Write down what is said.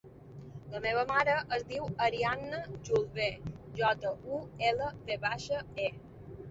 La meva mare es diu Arianna Julve: jota, u, ela, ve baixa, e.